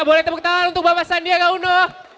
boleh tepuk tangan untuk bapak sandiaga uno